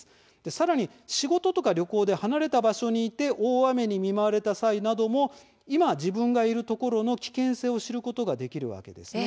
さらに、仕事や旅行などで離れた場所にいて大雨に見舞われた際なども今、自分がいる場所の危険性を知ることができます。